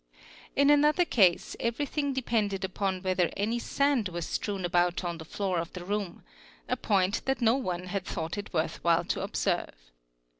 In another case everything depended upon whether any sand was strewn about on the floor of the room, a point that no one had— thought it worth while to observe.